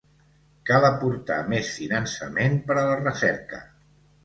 Cal aportar més finançament per a la recerca.